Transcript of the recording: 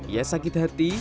ia sakit hati